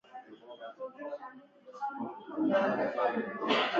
د پېښور لومړنی پښتو اخبار د ده په اهتمام راوتلی دی.